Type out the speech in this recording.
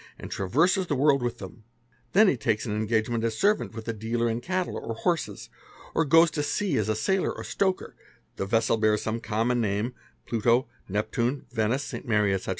and traverses the worl with them ; then he takes an engagement as servant with a dealer 11 cattle or horses, or goes to sea as a sailor or stoker, the vessel bear some common name (Pluto, Neptune, Venice, St. Mary, ete.